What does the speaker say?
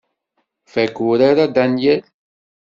Fakk urar a Danyal.